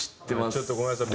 ちょっとごめんなさい。